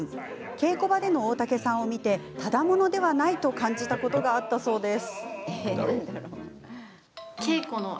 稽古場での大竹さんを見てただ者ではないと感じたことがあったそうです。